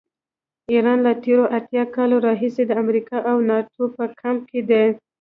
ایران له تېرو اتیا کالو راهیسې د امریکا او ناټو په کمپ کې دی.